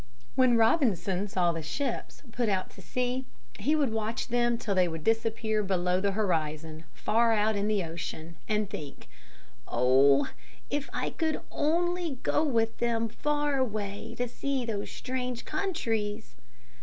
When Robinson saw the ships put out to sea he would watch them till they would disappear below the horizon far out in the ocean, and think, "Oh, if I could only go with them far away to see those strange countries!"